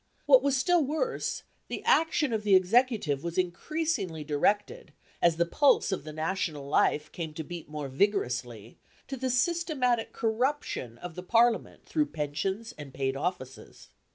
What was still worse, the action of the Executive was increasingly directed, as the pulse of the national life came to beat more vigorously, to the systematic corruption of the Parliament borough pensions and paid offices.